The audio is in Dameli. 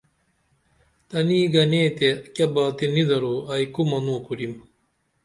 تنی گنی تے کیہ باتی نی درو ائی کو منو کُریم